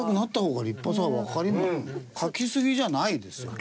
うん！描きすぎじゃないですよ。